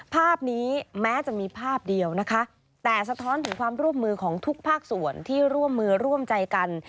ภาพนี้แม้จะมีภาพเดียวนะคะแต่สะท้อนถึงความร่วมมือของทุกภาคส่วนที่ร่วมมือร่วมใจกัน